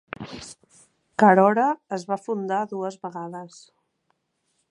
Carora es va fundar dues vegades.